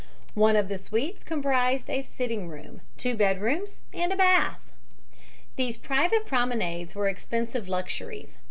One of the suites comprised a sitting room, two bedrooms and a bath. These private promenades were expensive luxuries.